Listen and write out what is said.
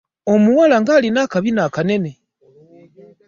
Omuwala nga alina akabina kanene!